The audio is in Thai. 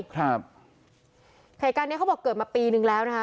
เหตุการณ์นี้เขาบอกเกิดมาปีนึงแล้วนะคะ